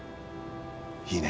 いいね。